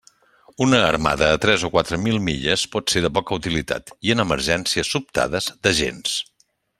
Una armada a tres o quatre mil milles pot ser de poca utilitat, i en emergències sobtades, de gens.